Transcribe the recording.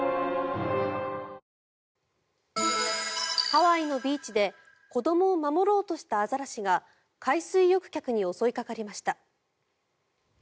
ハワイのビーチで子どもを守ろうとしたアザラシが海水浴客に襲いかかりました。